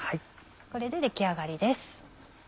これで出来上がりです。